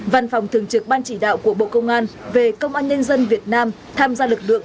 văn phòng thường trực ban chỉ đạo của bộ công an về công an nhân dân việt nam tham gia lực lượng